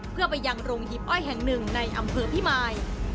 เพื่อไปยังโรงหิบอ้อยแห่งหนึ่งในอำเภอพิมาย